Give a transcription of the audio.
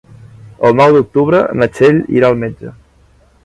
El nou d'octubre na Txell irà al metge.